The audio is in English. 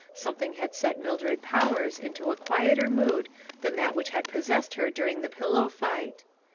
Something had set Mildred Powers into a quieter mood than that which had possessed her during the pillow fight.